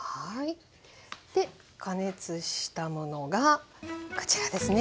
で加熱したものがこちらですね。